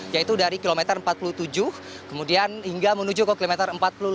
yaitu dari kilometer empat puluh tujuh kemudian hingga menuju ke kilometer empat puluh lima